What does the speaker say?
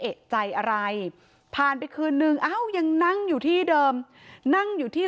เอกใจอะไรผ่านไปคืนนึงอ้าวยังนั่งอยู่ที่เดิมนั่งอยู่ที่